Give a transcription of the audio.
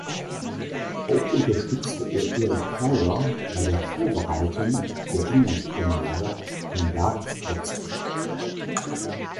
Auch unterstützte er Erich Kleiber bei der Vorbereitung der England-Premiere von Bergs Wozzeck.